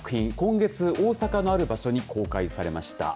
今月、大阪のある場所に公開されました。